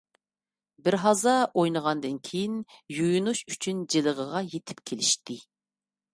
بىرھازا ئوينىغاندىن كېيىن، يۇيۇنۇش ئۈچۈن جىلغىغا يېتىپ كېلىشتى.